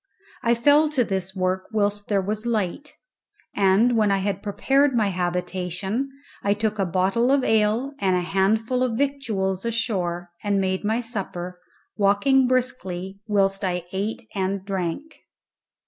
I fell to this work whilst there was light, and when I had prepared my habitation, I took a bottle of ale and a handful of victuals ashore and made my supper, walking briskly whilst I ate and drank.